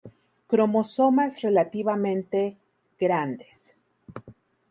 Cromosomas relativamente "grandes".